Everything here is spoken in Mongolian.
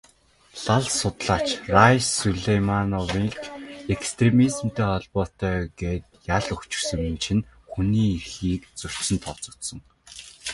Лал судлаач Райс Сулеймановыг экстремизмтэй холбоотой гээд ял өгчихсөн чинь хүний эрхийг зөрчсөнд тооцогдсон.